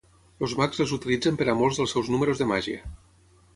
Els mags les utilitzen per a molts dels seus números de màgia